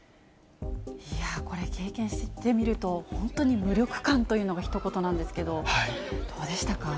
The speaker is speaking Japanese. これ、経験してみると、本当に無力感というのがひと言なんですけど、どうでしたか？